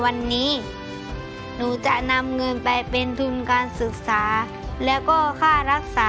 ให้ค่อขอบคุณทางรายการมากมากนะคะ